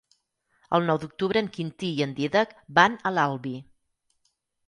El nou d'octubre en Quintí i en Dídac van a l'Albi.